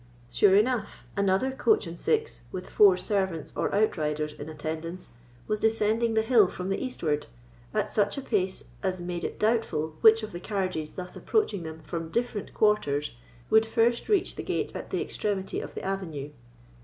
Sure enough, another coach and six, with four servants or outriders in attendance, was descending the hill from the eastward, at such a pace as made it doubtful which of the carriages thus approaching from different quarters would first reach the gate at the extremity of the avenue.